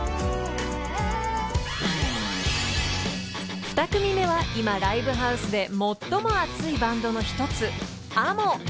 ［２組目は今ライブハウスで最も熱いバンドの一つ］